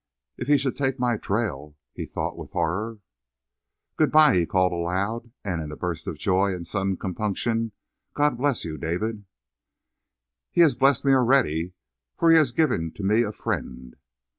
"If he should take my trail!" he thought with horror. "Good by!" he called aloud, and in a burst of joy and sudden compunction, "God bless you, David!" "He has blessed me already, for He has given to me a friend."